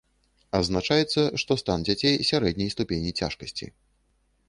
Адзначаецца, што стан дзяцей сярэдняй ступені цяжкасці.